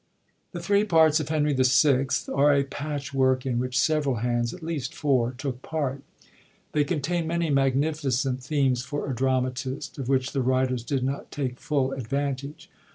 The three parts of Henry VI. are a patchwork in which several hands— at least four— took part. They contain many magnificent themes for a dramatist, of which the writers did not take full advantage.